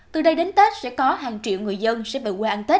từ đây đến tết sẽ có hàng triệu người dân sẽ về quê ăn tết